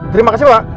terima kasih pak